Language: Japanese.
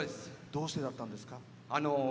どうしてだったんですか？